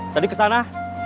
tadi ke sana